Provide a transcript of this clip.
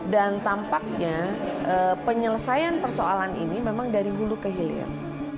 dan tampaknya penyelesaian persoalan ini memang dari hulu ke hilir